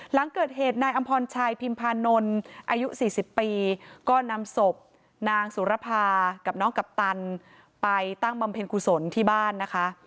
หลังเกิดเหตุนายอำพรชัยพิมพานนท์อายุ๔๐ปีก็นำศพนางสุรภากับน้องกัปตันไปตั้งบำเพ็ญกุศลที่บ้านนะคะ